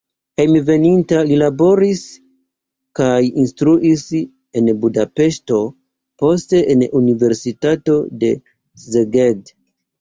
Hejmenveninta li laboris kaj instruis en Budapeŝto, poste en universitato en Szeged.